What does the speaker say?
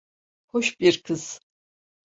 Hoş bir kız.